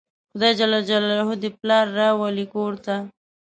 خدای ج دې پلار راولي کور ته